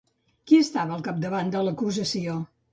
Qui estava al capdavant de l'acusació?